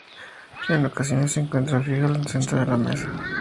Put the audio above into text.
En ocasiones se encuentra fija en el centro de la mesa.